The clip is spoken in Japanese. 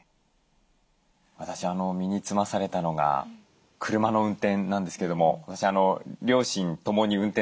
私身につまされたのが車の運転なんですけども私両親ともに運転するんですよ。